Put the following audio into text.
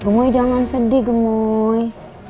gemoy jangan sedih gemoy